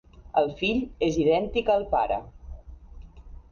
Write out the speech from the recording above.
El fill és idèntic al pare.